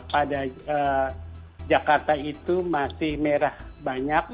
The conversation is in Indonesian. pada jakarta itu masih merah banyak